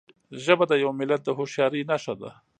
ژبه د یو ملت د هوښیارۍ نښه ده.